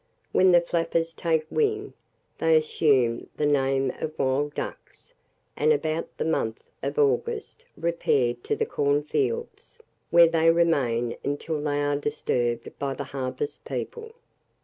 When the flappers take wing, they assume the name of wild ducks, and about the month of August repair to the corn fields, where they remain until they are disturbed by the harvest people.